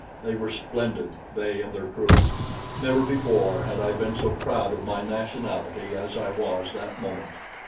They were splendid they and their crew. Never before had I been so proud of my nationality as I was that moment.